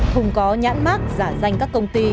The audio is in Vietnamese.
thùng có nhãn mát giả danh các công ty